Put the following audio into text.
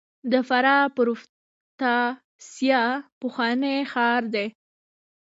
د فراه پروفتاسیا پخوانی ښار دی